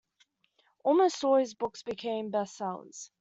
Almost all his books became bestsellers.